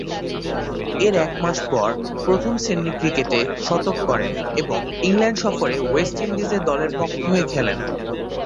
এর একমাস পর প্রথম-শ্রেণীর ক্রিকেটে শতক করেন এবং ইংল্যান্ড সফরে ওয়েস্ট ইন্ডিজ এ দলের পক্ষ হয়ে খেলেন।